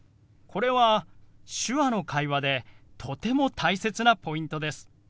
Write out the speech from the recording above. これは手話の会話でとても大切なポイントです。